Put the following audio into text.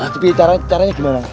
tapi caranya gimana